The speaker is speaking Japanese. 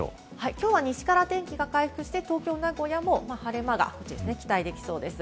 きょうは西から天気が回復して、東京や名古屋も晴れ間が期待できそうです。